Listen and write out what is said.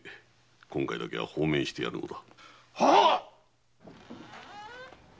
今回だけは放免してやるのだ。